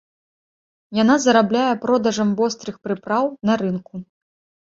Яна зарабляе продажам вострых прыпраў на рынку.